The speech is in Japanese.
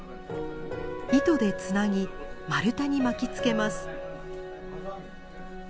糸でつなぎ丸太に巻きつけます。